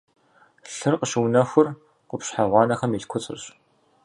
Лъыр къыщыунэхур къупщхьэ гъуанэхэм илъ куцӏырщ.